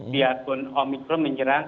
biarpun omicron menyerang